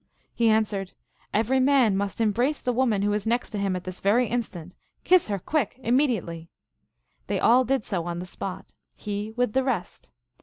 He answered, "Every man must embrace the wo man who is next to him at this very instant; kiss her, quick, immediately !" They all did so on the spot, he with the rest.